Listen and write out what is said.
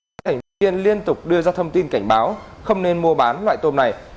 các thành viên liên tục đưa ra thông tin cảnh báo không nên mua bán loại tôm này